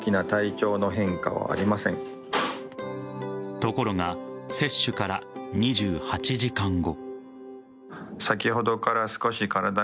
ところが接種から２８時間後。